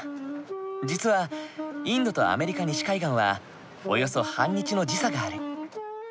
実はインドとアメリカ西海岸はおよそ半日の時差がある。